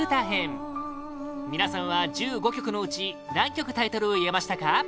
編皆さんは１５曲のうち何曲タイトルを言えましたか？